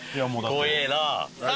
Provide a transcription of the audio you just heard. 怖えな！